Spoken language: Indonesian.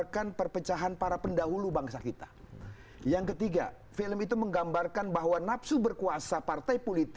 karya dengan pt freeport